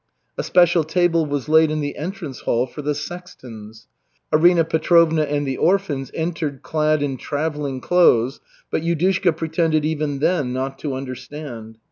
A special table was laid in the entrance hall for the sextons. Arina Petrovna and the orphans entered clad in travelling clothes, but Yudushka pretended even then not to understand.